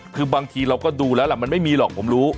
คือบางทีเราก็ดูแล้วล่ะมันไม่มีหรอกผมรู้